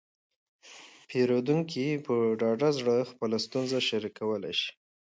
پیرودونکي په ډاډه زړه خپله ستونزه شریکولی شي.